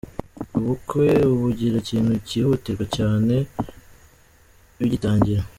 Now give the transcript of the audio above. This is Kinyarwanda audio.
Ubukwe ubugira ikintu cyihutirwa cyane bigitangira.